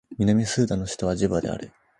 南スーダンの首都はジュバである